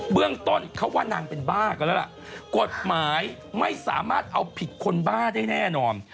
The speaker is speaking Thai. เรื่องต้นเขาว่านางเป็นบ้ากันแล้วล่ะกฎหมายไม่สามารถเอาผิดคนบ้าได้แน่นอน